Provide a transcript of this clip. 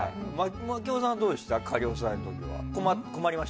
槙尾さんはどうでしたか？